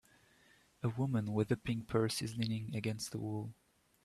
A woman with a pink purse is leaning against a wall.